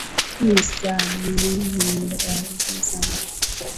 Nisamehewe dhambi zangu,